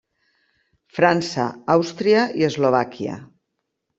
França, Àustria i Eslovàquia.